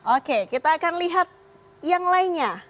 oke kita akan lihat yang lainnya